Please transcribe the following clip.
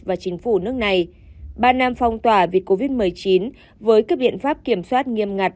và chính phủ nước này ba năm phong tỏa vì covid một mươi chín với các biện pháp kiểm soát nghiêm ngặt